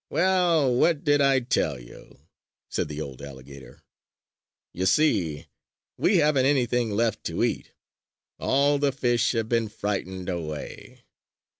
"Well, what did I tell you?" said the old alligator. "You see: we haven't anything left to eat! All the fish have been frightened away!